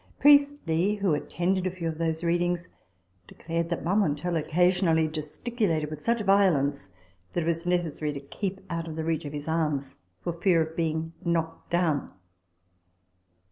Priestley, who attended a few of those readings, declared that Marmontel occasionally gesticulated with such violence that it was necessary to keep out of the reach of his arms for fear of being knocked down.